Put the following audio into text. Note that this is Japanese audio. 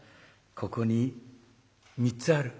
「ここに３つある。